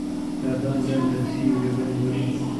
ایا ته آنلاین درسي ویډیوګانې ګورې؟